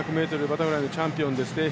２００ｍバタフライのチャンピオンですね。